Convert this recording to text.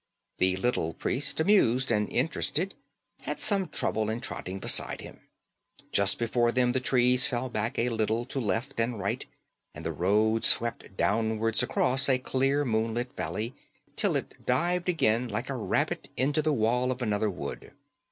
The little priest, amused and interested, had some trouble in trotting beside him. Just before them the trees fell back a little to left and right, and the road swept downwards across a clear, moonlit valley, till it dived again like a rabbit into the wall of another wood.